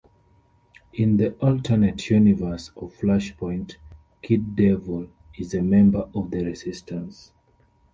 In the alternate universe of "Flashpoint", Kid Devil is a member of the Resistance.